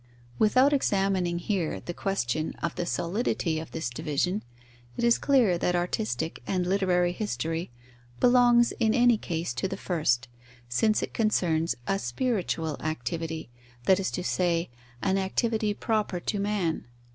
Without examining here the question of the solidity of this division, it is clear that artistic and literary history belongs in any case to the first, since it concerns a spiritual activity, that is to say, an activity proper to man.